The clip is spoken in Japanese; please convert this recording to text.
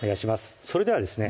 それではですね